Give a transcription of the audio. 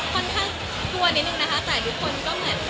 ค่อนข้างกลัวนิดนึงนะคะแต่ทุกคนก็เหมือน